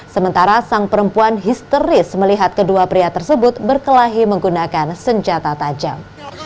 sementara sang perempuan histeris melihat kedua pria tersebut berkelahi menggunakan senjata tajam